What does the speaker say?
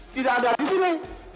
tidak ada di sini